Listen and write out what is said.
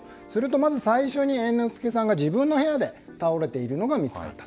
まず最初に猿之助さんが自分の部屋で倒れているのが見つかった。